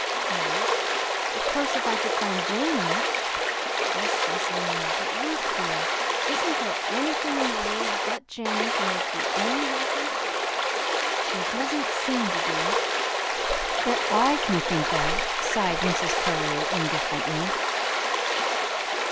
"Well, of course, if I could find Jamie " "Yes, yes, I know; but, Ruth, dear, isn't there anything in the world but Jamie to make you ANY happy?" "There doesn't seem to be, that I can think of," sighed Mrs. Carew, indifferently.